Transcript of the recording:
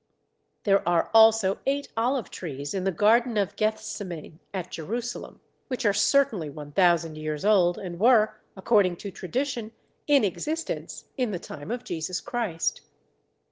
There are also eight olive trees in the garden of Gethsemane at Jerusalem, which are certainly 1000 years old, and were, according to tradition, in existence in the time of Jesus Christ.